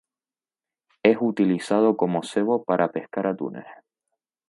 Es utilizado como cebo para pescar atunes.